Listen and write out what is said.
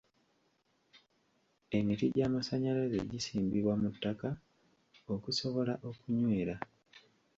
Emiti gy'amasannyalaze gisimbibwa mu ttaka okusobola okunywera.